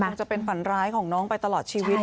คงจะเป็นฝันร้ายของน้องไปตลอดชีวิต